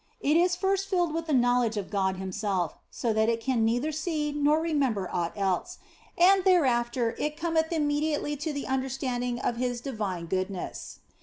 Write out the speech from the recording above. It is first filled with the knowledge of God Himself, so that c 34 THE BLESSED ANGELA it can neither see nor remember aught else, and thereafter it cometh immediately to the understanding of His divine goodness.